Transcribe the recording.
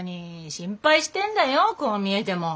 心配してんだよこう見えても。